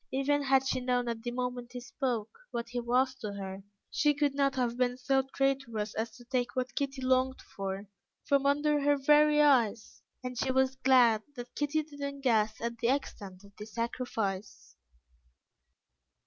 Even had she known at the moment he spoke, what he was to her, she could not have been so traitorous as to take what Kitty longed for, from under her very eyes; and she was glad that Kitty did not guess at the extent of the sacrifice.